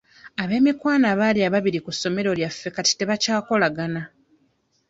Ab'omukwano abaali ababiri ku ssomero lyaffe kati tebakyakolagana.